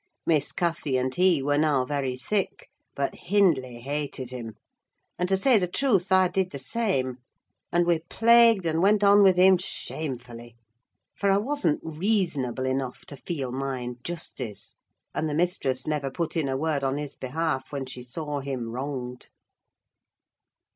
Miss Cathy and he were now very thick; but Hindley hated him: and to say the truth I did the same; and we plagued and went on with him shamefully: for I wasn't reasonable enough to feel my injustice, and the mistress never put in a word on his behalf when she saw him wronged.